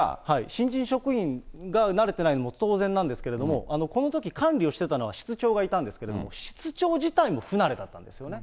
新人職員が慣れてないのも当然なんですけれども、このとき管理をしていたのが室長がいたんですけれども、室長自体も不慣れだったんですよね。